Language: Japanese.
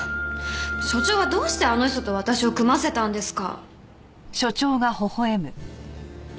署長はどうしてあの人と私を組ませたんですか？